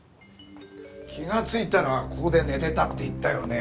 気がついたらここで寝てたって言ったよね。